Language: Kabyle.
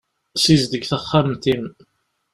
Sizdeg taxxamt-im.